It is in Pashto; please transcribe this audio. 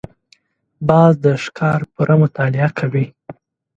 باز د ښکار پوره مطالعه کوي